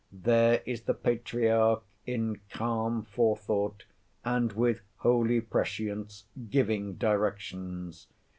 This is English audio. There is the Patriarch, in calm forethought, and with holy prescience, giving directions.